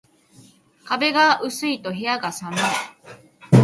壁が薄いと部屋が寒い